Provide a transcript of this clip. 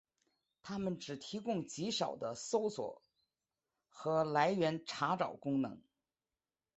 它们只提供极少的搜索和来源查找功能。